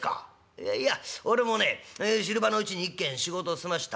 「いやいや俺もね昼間のうちに１軒仕事を済ましたよ。